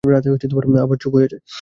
রাতে আবার চুপ করে যায়।